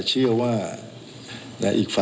แต่เจ้าตัวก็ไม่ได้รับในส่วนนั้นหรอกนะครับ